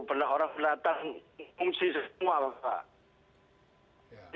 orang orang datang mengungsi semua pak